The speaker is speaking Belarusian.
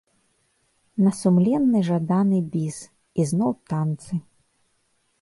На сумленны жаданы біс, і зноў танцы.